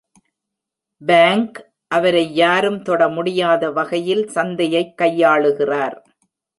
Fang, அவரை யாரும் தொட முடியாத வகையில் சந்தையைக் கையாளுகிறார்.